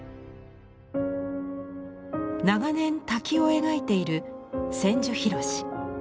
長年滝を描いている千住博。